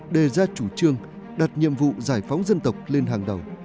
đề ra chủ trương đặt nhiệm vụ giải phóng dân tộc lên hàng đầu